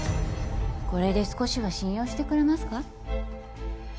これで少しは信用してくれますか？